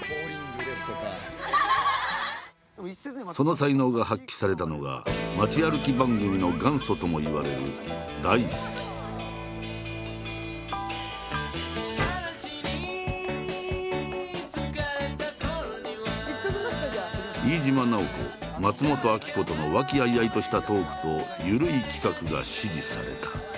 その才能が発揮されたのが街歩き番組の元祖ともいわれる飯島直子松本明子との和気あいあいとしたトークと緩い企画が支持された。